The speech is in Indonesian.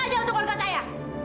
apa saja untuk keluarga saya